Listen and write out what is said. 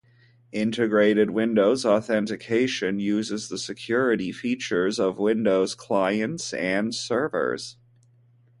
Integrated Windows Authentication uses the security features of Windows clients and servers.